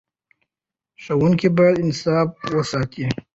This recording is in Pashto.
ښوونکي باید انصاف وساتي.